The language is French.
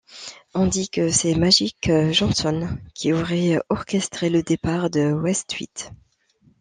On dit que c'est Magic Johnson qui aurait orchestré le départ de Westhead.